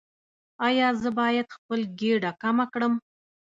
ایا زه باید خپل ګیډه کمه کړم؟